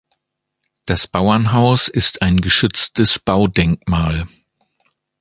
Das Bauernhaus ist ein geschütztes Baudenkmal.